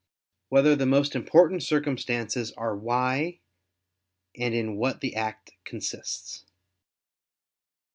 4] Whether the Most Important Circumstances Are "Why" and "In What the Act Consists"?